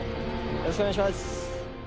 よろしくお願いします。